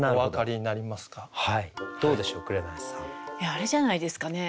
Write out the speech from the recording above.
あれじゃないですかね。